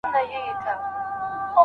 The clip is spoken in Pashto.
په هېواد کې واردات ډېر لږ شوي دي.